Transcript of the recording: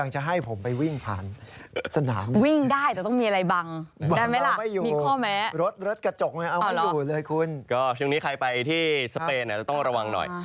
ช่วงนี้ใครไปที่สเปนอาจจะต้องระวังหน่อย